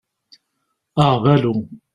Aɣbalu.